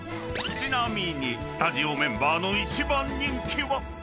［ちなみにスタジオメンバーの一番人気は］